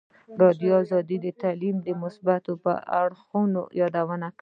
ازادي راډیو د تعلیم د مثبتو اړخونو یادونه کړې.